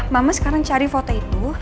mama sekarang cari foto itu